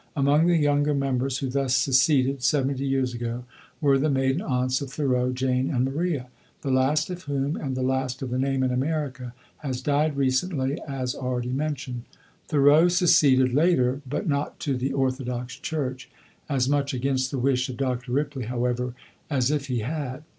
Among the younger members who thus seceded, seventy years ago, were the maiden aunts of Thoreau, Jane and Maria, the last of whom, and the last of the name in America, has died recently, as already mentioned. Thoreau seceded later, but not to the "Orthodox" church, as much against the wish of Dr. Ripley, however, as if he had.